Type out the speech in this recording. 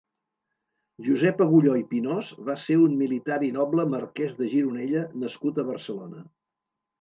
Josep Agulló i Pinós va ser un militar i noble Marquès de Gironella nascut a Barcelona.